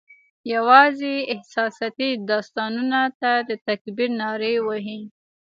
یوازي احساساتي داستانونو ته د تکبیر نارې وهي